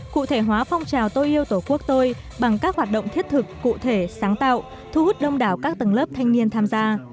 cụ thể hóa phong trào tôi yêu tổ quốc tôi bằng các hoạt động thiết thực cụ thể sáng tạo thu hút đông đảo các tầng lớp thanh niên tham gia